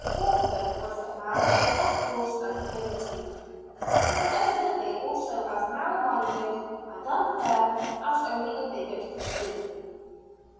Hathorne was a man of force and ability though evidently also as narrow minded and unfair as only a bigot can be.